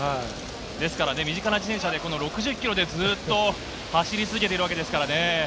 ですから身近な自転車で６０キロでずっと走り続けているわけですからね。